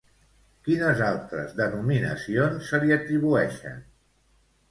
Quines altres denominacions se li atribueixen?